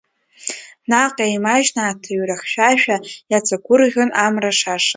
Наҟ еимажьны аҭыҩра хьшәашәа, иаҵагәырӷьон амра шаша.